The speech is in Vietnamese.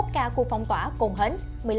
sáu mươi một ca cuộc phong tỏa còn hến một mươi năm